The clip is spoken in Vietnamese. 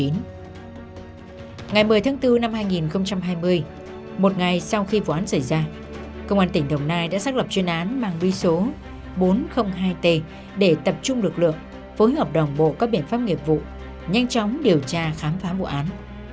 ngày một mươi tháng bốn năm hai nghìn hai mươi một ngày sau khi vụ án xảy ra công an tỉnh đồng nai đã xác lập chuyên án mang bí số bốn trăm linh hai t để tập trung lực lượng phối hợp đồng bộ các biện pháp nghiệp vụ nhanh chóng điều tra khám phá vụ án